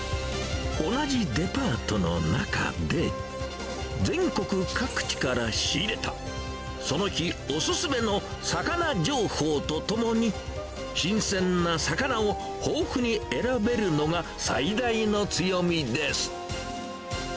同じデパートの中で、全国各地から仕入れた、その日お勧めの魚情報とともに、新鮮な魚を豊富に選べるのが最大の強みです。